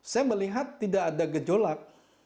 saya melihat tidak ada gejolak